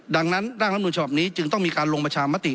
ดังนั้นร่างรัฐมนุนฉบับนี้จึงต้องมีการลงประชามติ